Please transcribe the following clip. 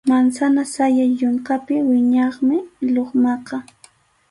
Mansana sayay yunkapi wiñaqmi lukmaqa.